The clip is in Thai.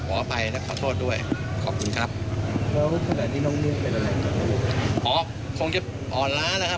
เป็นแหล่งนิตชีพทุกคนเข้าใจนะครับ